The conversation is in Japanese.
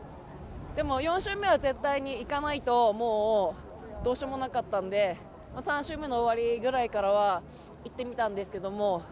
でも、４周目は絶対にいかないとどうしようもなかったので３周目の終わりぐらいからは行ってみたんですけど。